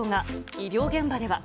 医療現場では。